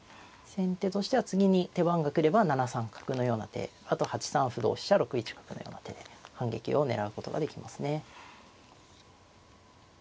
先手としては次に手番が来れば７三角のような手あと８三歩同飛車６一角のような手で反撃を狙うことができますね。